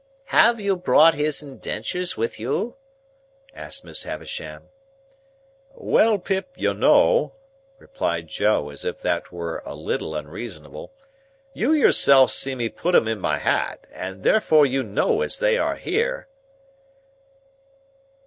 "Have you brought his indentures with you?" asked Miss Havisham. "Well, Pip, you know," replied Joe, as if that were a little unreasonable, "you yourself see me put 'em in my 'at, and therefore you know as they are here."